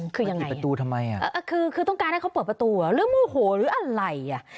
คือยังไงคือต้องการให้เค้าเปิดประตูเรื่องมือโหหรืออะไร